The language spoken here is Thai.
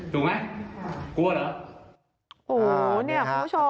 ถูกไหมกลัวเหรอ